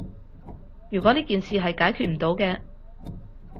如果呢件事係解決唔到嘅